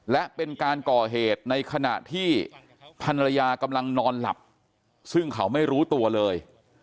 และเป็นการก่อเหตุในขณะที่ภรรยากำลังนอนหลับซึ่งเขาไม่รู้ตัวเลย